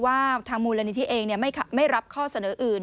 ว่าทางมูลลายนิทิเซ็นต์เองไม่รับข้อเสนออื่น